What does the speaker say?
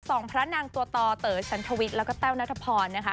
พระนางตัวต่อเต๋อฉันทวิทย์แล้วก็แต้วนัทพรนะคะ